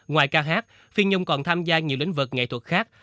ngoài ca hát phi nhung còn tham gia nhiều lĩnh vực nghệ thuật khác